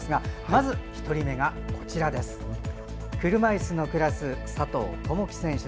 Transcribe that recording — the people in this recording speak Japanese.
まず１人目が車いすのクラス、佐藤友祈選手。